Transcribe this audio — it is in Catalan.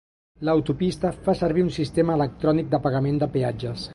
L'autopista fa servir un sistema electrònic de pagament de peatges.